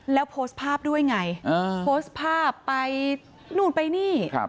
แล้วโพสต์ภาพด้วยไงโพสต์ภาพไปนู่นไปนี่